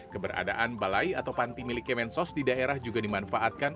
keberadaan balai atau panti milik kemensos di daerah juga dimanfaatkan